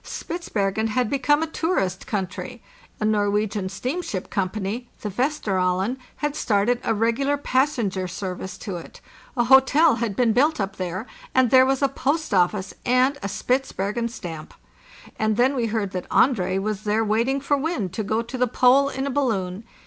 Spitzbergen had become a tour ist country; a Norwegian steamship company (the Vesteraalen) had started a regular passenger service to it,* a hotel had been built up there, and there was a post office and a Spitzbergen stamp. And then we heard that Andrée was there waiting for wind to go to the Pole ina balloon.